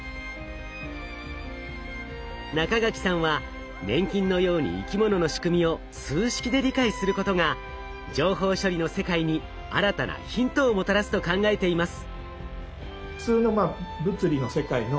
中垣さんは粘菌のように生き物の仕組みを数式で理解することが情報処理の世界に新たなヒントをもたらすと考えています。